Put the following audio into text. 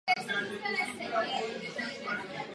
Také vstupní portál je goticky zaklenut.